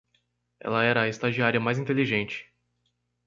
Ela era a estagiária mais inteligente